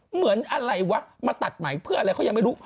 เหมือนอะไรวะมาตัดไหมเพื่ออะไรเขายังไม่รู้